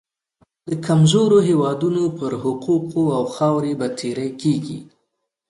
د کمزورو هېوادونو پر حقوقو او خاورې به تیری کېږي.